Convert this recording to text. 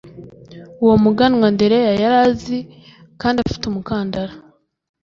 uwo Muganwa Andereya yari azi kandi ufite umukandara